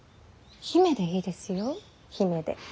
姫でいいですよ姫で。